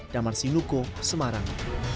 damar sinuko semarang